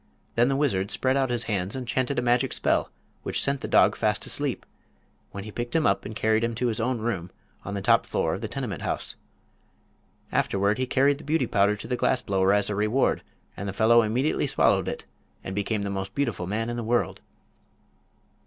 Then the wizard spread out his hands and chanted a magic spell which sent the dog fast asleep, when he picked him up and carried him to his own room on the top floor of the tenement house. Afterward he carried the Beauty Powder to the glass blower as a reward, and the fellow immediately swallowed it and became the most beautiful man in the world.